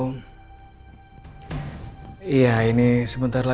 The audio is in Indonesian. hai ini pak dokter ini biasa rezistensi adalah